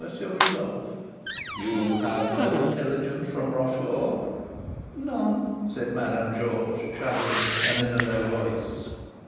Rodolph." "You have no intelligence from Rochefort?" "None," said Madame Georges, shuddering, and in a low voice.